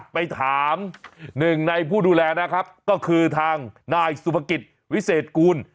ไปถามหนึ่งในผู้ดูแลนะครับก็คือทางนายสุภกิจวิเศษกูล